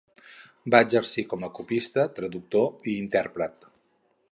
Va exercir com a copista, traductor i intèrpret.